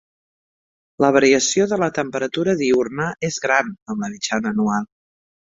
La variació de la temperatura diürna és gran, amb la mitjana anual.